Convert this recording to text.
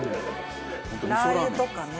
ラー油とかね